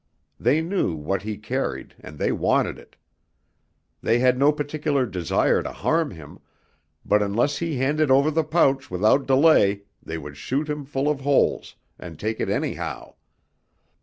They knew what he carried and they wanted it. They had no particular desire to harm him, but unless he handed over the pouch without delay they would shoot him full of holes, and take it anyhow.